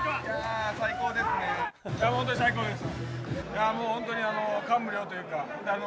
本当に最高です。